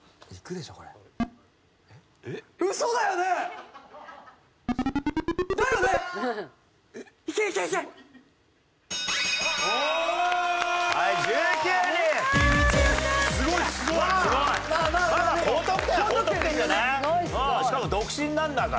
しかも独身なんだから。